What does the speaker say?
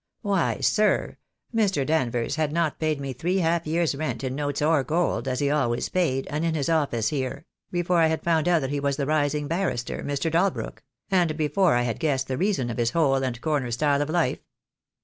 Why, sir, Mr. Danvers had not paid me three half years' rent in notes or gold, as he always paid, and in this office here — before I had found out that he was the rising barrister, Mr. Dalbrook — and before I had guessed the reason of his hole and corner style of life."